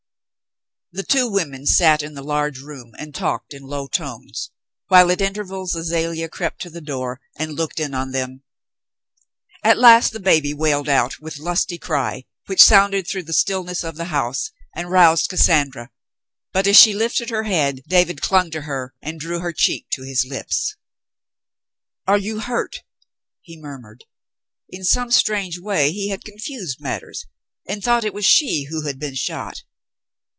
The two women sat in the large room and talked in low tones, while at intervals Azalea crept to the door and looked in on them. At last the baby wailed out with lusty cry, which sounded through the stillness of the house and roused Cassandra, but as she lifted her head, David clung to her and drew her cheek to his lips. "Are you hurt V he murmured. In some strange way he had confused matters, and thought it was she who had been shot.